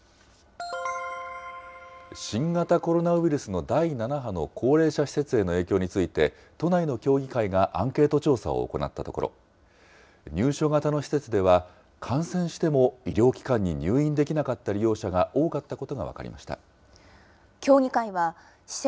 新型コロナウイルスの第７波の高齢者施設への影響について、都内の協議会がアンケート調査を行ったところ、入所型の施設では、感染しても医療機関に入院できなかった利用者が多かったことが分かりました。